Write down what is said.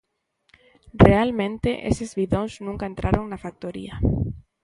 Realmente eses bidóns nunca entraron na factoría.